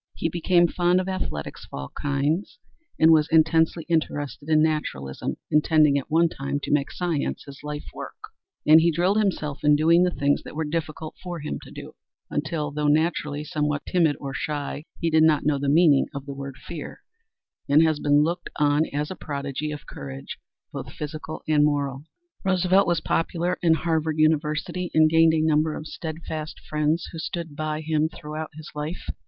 He became fond of athletics of all kinds and was intensely interested in naturalism intending at one time to make science his life work; and he drilled himself in doing the things that were difficult for him to do, until, though naturally somewhat timid or shy, he did not know the meaning of the word fear, and has been looked on as a prodigy of courage, both physical and moral. Roosevelt was popular in Harvard University, and gained a number of steadfast friends who stood by him throughout his life.